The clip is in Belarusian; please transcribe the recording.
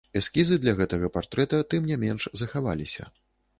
Эскізы для гэтага партрэта, тым не менш, захаваліся.